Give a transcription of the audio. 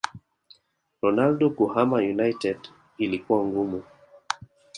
Ronaldo kuhama united ilikuwa ngumu